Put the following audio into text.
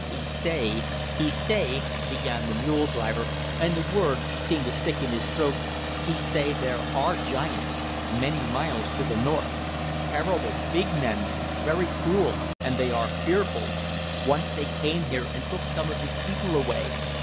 "He say he say," began the mule driver and the words seemed to stick in his throat "he say there ARE giants many miles to the north. Terrible big men very cruel and they are fearful. Once they came here and took some of his people away.